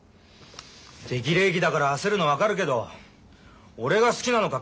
適齢期だから焦るの分かるけど俺が好きなのか